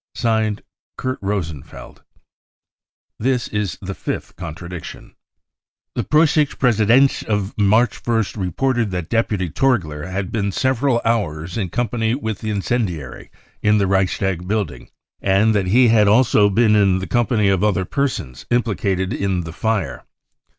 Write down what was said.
"{Signed) Kurt Rosenfeld." ■ This is the fifth contradiction. 94 BROWN BOOK OF THE HITLER TERROR • The Preussische Pressedienst of March ist reported that , clfputy Torgler had been several hours in company with the incendiary in the Reichstag building, and that he had also been in the company of other persons implicated in the fire.